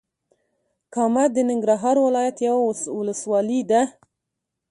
کامه د ننګرهار ولايت یوه ولسوالې ده.